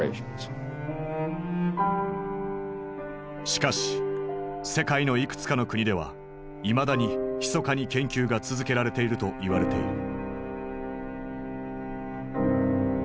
しかし世界のいくつかの国ではいまだにひそかに研究が続けられていると言われている。